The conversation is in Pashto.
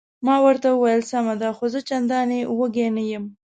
ما ورته وویل: سمه ده، خو زه چندانې وږی نه یم.